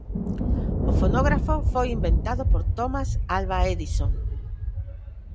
O fonógrafo foi inventado por Thomas Alva Edison.